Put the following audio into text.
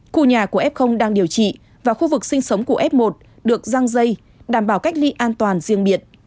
khu nhà của f đang điều trị và khu vực sinh sống của f một được răng dây đảm bảo cách ly an toàn riêng biệt